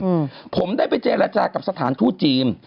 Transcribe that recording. เราได้ไปเจียรัจากับสถานทูจีน